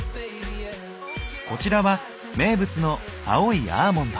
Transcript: こちらは名物の青いアーモンド。